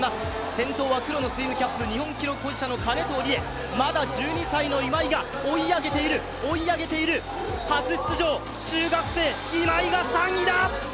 先頭は黒のスイムキャップ日本記録保持者の金藤理絵まだ１２歳の今井が追い上げている追い上げている初出場中学生今井が３位だ！